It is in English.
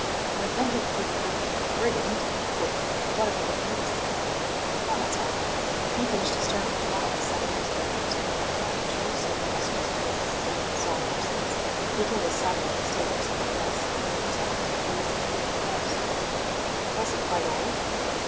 "A repentant b b brigand? But w what about the police?" "Oh, that's all right! He finished his term of the galleys some years ago, and has been going about to Jerusalem and all sorts of places saving his soul ever since. He killed his son by mistake for somebody else, and gave himself up to the police in a fit of remorse." "Was he quite old?"